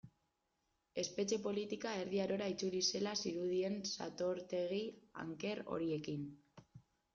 Espetxe politika Erdi Arora itzuli zela zirudien satortegi anker horiekin.